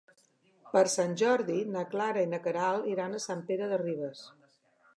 Per Sant Jordi na Clara i na Queralt iran a Sant Pere de Ribes.